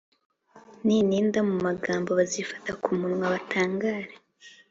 nintinda mu magambo, bazifata ku munwa batangare.